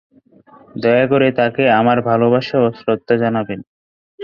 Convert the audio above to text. দয়া করে তাঁকে আমার ভালবাসা ও শ্রদ্ধা জানাবেন।